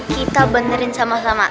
kita benerin sama sama